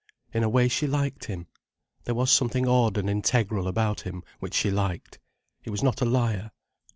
In a way, she liked him. There was something odd and integral about him, which she liked. He was not a liar.